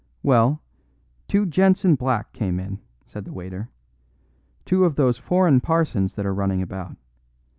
"Well, two gents in black came in," said the waiter; "two of those foreign parsons that are running about.